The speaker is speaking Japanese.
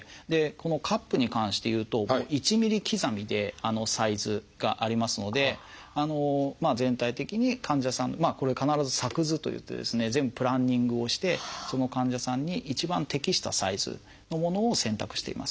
このカップに関していうと１ミリ刻みでサイズがありますので全体的に患者さんこれ必ず作図といってですね全部プランニングをしてその患者さんに一番適したサイズのものを選択しています。